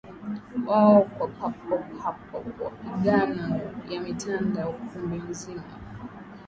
wao Kwa papo hapo mapigano yametanda ukumbi mzima